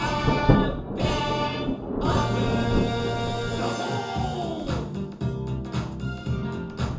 「サボーン！」